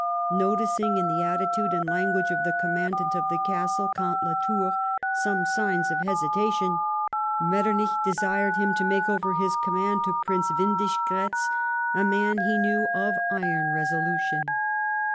Noticing in the attitude and language of the commandant of the castle, Count Latour, some signs of hesitation, Metternich desired him to make over his command to Prince Windischgriitz, a man, he knew, of iron resolution.